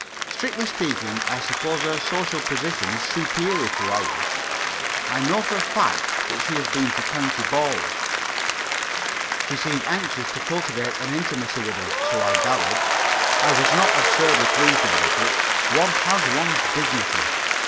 Strictly speaking, I suppose her social position is superior to our own. I know for a fact that she has been to county balls. She seemed anxious to cultivate an intimacy with us, so I gathered. I was not absurdly pleased about it. One has one's dignity.